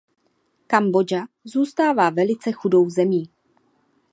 Kambodža zůstává velice chudou zemí.